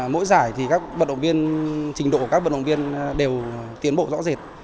mỗi giải thì các vận động viên trình độ của các vận động viên đều tiến bộ rõ rệt